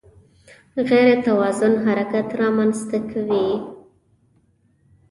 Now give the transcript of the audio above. غیر توازن حرکت رامنځته کوي.